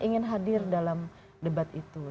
ingin hadir dalam debat itu